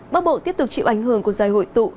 bắc bộ tiếp tục chịu ảnh hưởng của dài hội tụ